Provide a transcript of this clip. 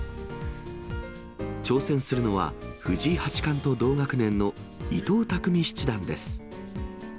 挑戦するのは、藤井八冠と同学年の伊藤匠七段です。